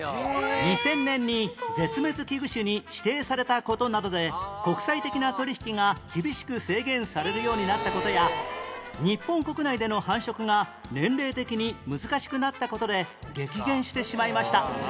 ２０００年に絶滅危惧種に指定された事などで国際的な取引が厳しく制限されるようになった事や日本国内での繁殖が年齢的に難しくなった事で激減してしまいました